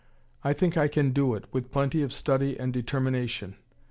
I think I can do it, with plenty of study and determination.